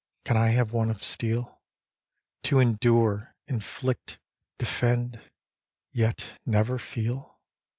Can I have one of steel, To endure inflict defend yet never feel?